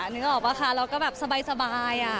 นึกออกป่ะคะเราก็แบบสบาย